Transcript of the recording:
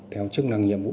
theo chức năng nhiệm vụ